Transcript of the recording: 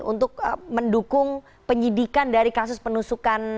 untuk mendukung penyidikan dari kasus penusukan yang terjadi